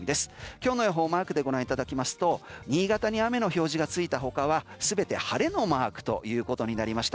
今日の予報マークでご覧いただきますと新潟に雨の表示が付いた他は全て晴れのマークということになりました。